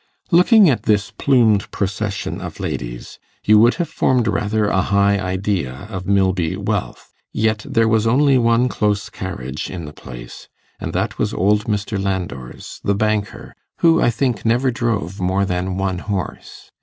Looking at this plumed procession of ladies, you would have formed rather a high idea of Milby wealth; yet there was only one close carriage in the place, and that was old Mr. Landor's, the banker, who, I think, never drove more than one horse.